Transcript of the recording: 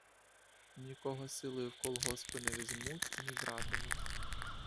Нікого силою в колгоспи не візьмуть і не братимуть.